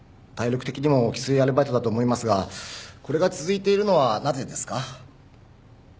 体力的にもきついアルバイトだと思いますがこれが続いているのはなぜですか？